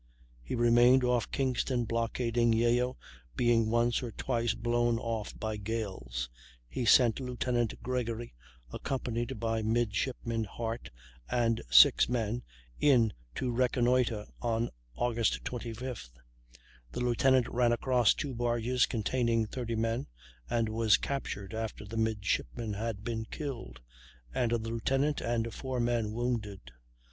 He remained off Kingston blockading Yeo, being once or twice blown off by gales. He sent Lieutenant Gregory, accompanied by Midshipman Hart and six men, in to reconnoitre on August 25th; the lieutenant ran across two barges containing 30 men, and was captured after the midshipman had been killed and the lieutenant and four men wounded.